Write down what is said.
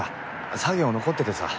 作業残っててさ。